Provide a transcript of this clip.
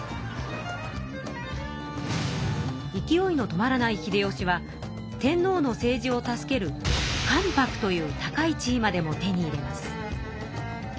勢いの止まらない秀吉は天のうの政治を助ける関白という高い地位までも手に入れます。